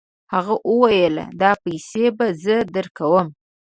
هغه وویل دا پیسې به زه درکوم.